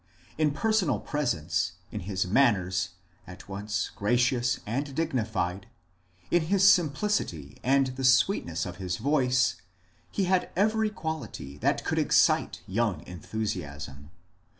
In personal presence, in his manners, at once gracious and dignified, in his simplicity, and the sweetness of his voice, he had every quality that could excite young enthusiasm.